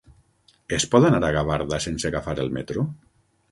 Es pot anar a Gavarda sense agafar el metro?